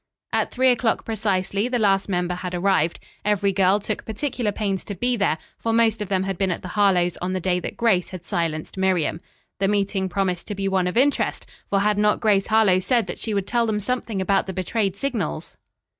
At three o'clock precisely the last member had arrived. Every girl took particular pains to be there, for most of them had been at the Harlowe's on the day that Grace had silenced Miriam. The meeting promised to be one of interest, for had not Grace Harlowe said that she would tell them something about the betrayed signals?